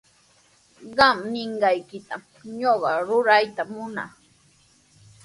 Qam ninqaykitami ñuqa rurayta munaa.